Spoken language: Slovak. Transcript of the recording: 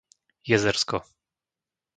Jezersko